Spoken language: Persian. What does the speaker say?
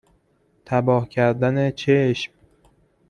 تباه کردن چشم